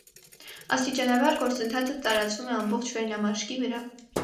Աստիճանաբար գործընթացը տարածվում է ամբողջ վերնամաշկի վրա։